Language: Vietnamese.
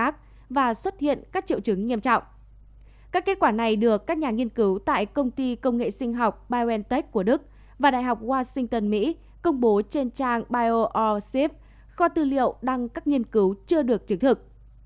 các kết quả này được các nhà nghiên cứu tại công ty công nghệ sinh học biontech của đức và đại học washington mỹ công bố trên trang bioreap kho tư liệu đăng các nghiên cứu chưa được chứng thực